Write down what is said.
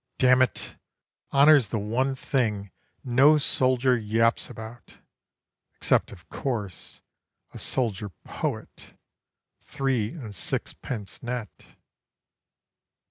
damn it, honour's the one thing No soldier yaps about, except of course A soldier poet three and sixpence net.